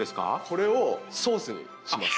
これをソースにします。